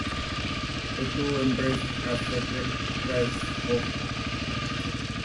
The two embrace as the cab drives off.